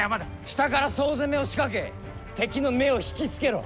下から総攻めを仕掛け敵の目を引き付けろ。